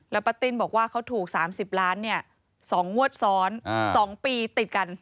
ป้าติ้นบอกว่าเขาถูก๓๐ล้าน๒งวดซ้อน๒ปีติดกัน